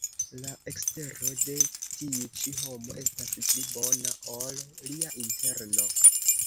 La ekstero de tiu ĉi homo estas pli bona, ol lia interno.